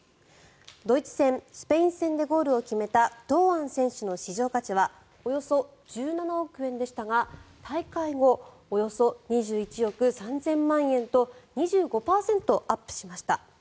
ドイツ戦、スペイン戦でゴールを決めた堂安選手の市場価値はおよそ１７億円でしたが大会後およそ２１億３０００万円と２５％アップしました。